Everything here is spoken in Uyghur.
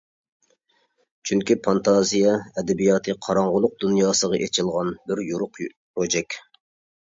چۈنكى فانتازىيە ئەدەبىياتى قاراڭغۇلۇق دۇنياسىغا ئېچىلغان بىر يورۇق روجەك.